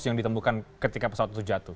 yang ditemukan ketika pesawat itu jatuh